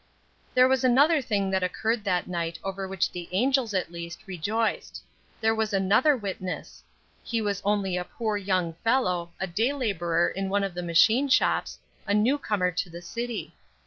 There was another thing that occurred that night over which the angels, at least, rejoiced. There was another witness. He was only a poor young fellow, a day laborer in one of the machine shops, a new comer to the city.